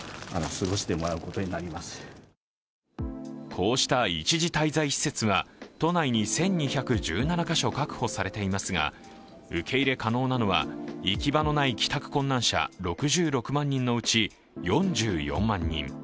こうした一時滞在施設は都内に１２１７か所確保されていますが、受け入れ可能なのは行き場のない帰宅困難者６６万人のうち４４万人。